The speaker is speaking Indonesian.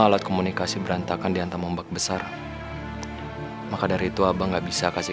alat komunikasi berantakan diantara ombak besar maka dari itu abang nggak bisa kasih